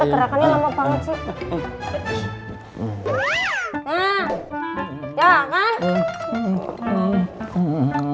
aduh pergerakannya lama banget sih